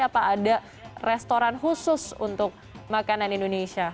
apa ada restoran khusus untuk makanan indonesia